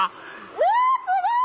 うわすごい！